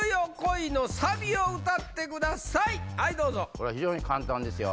これは非常に簡単ですよ